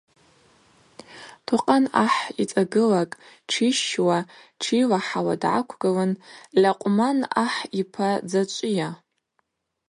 Токъан-ахӏ йцӏагылакӏ тшищщуа-тшилахӏауа дгӏаквгылын: Льакъвман-ахӏ йпа дзачӏвыйа?